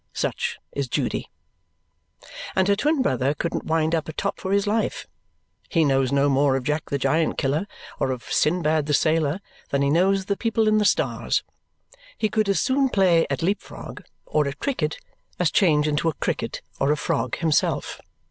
Such is Judy. And her twin brother couldn't wind up a top for his life. He knows no more of Jack the Giant Killer or of Sinbad the Sailor than he knows of the people in the stars. He could as soon play at leap frog or at cricket as change into a cricket or a frog himself.